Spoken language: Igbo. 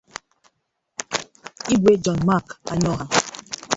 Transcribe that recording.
Igwe John-Mark Anyaoha